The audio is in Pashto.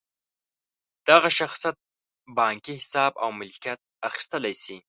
دغه شخصیت بانکي حساب او ملکیت اخیستلی شي.